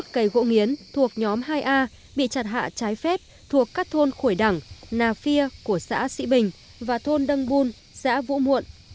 bốn mươi một cây gỗ nghiến thuộc nhóm hai a bị chặt hạ trái phép thuộc các thôn khổi đẳng nà phi của xã sĩ bình và thôn đăng buôn xã vũ muộn